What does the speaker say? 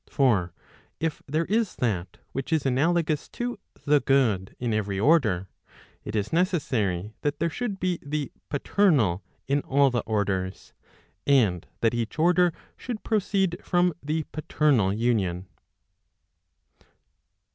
For if there is that which is analogous to the good in every order, it is necessary that there should be the paternal in all the orders, and that each order should proceed from the paternal union.